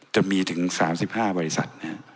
จะมีถึง๓๕บริษัท